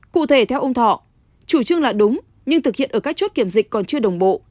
cụ thể theo ông thọ chủ trương là đúng nhưng thực hiện ở các chốt kiểm dịch còn chưa đồng bộ